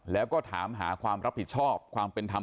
แล้วก็ถามหาความรับผิดชอบความเป็นธรรม